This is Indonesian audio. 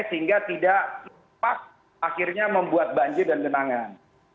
sehingga tidak terlupa akhirnya membuat banjir dan tenangan